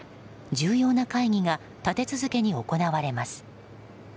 重要な会議が立て続けに行われます。